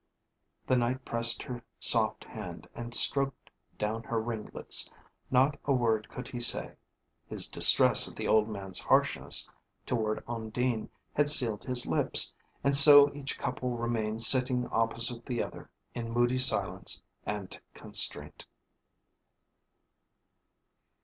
The Knight pressed her soft hand, and stroked down her ringlets. Not a word could he say; his distress at the old man's harshness toward Undine had sealed his lips; and so each couple remained sitting opposite the other, in moody silence and constraint.